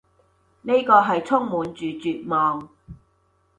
呢個係充滿住絕望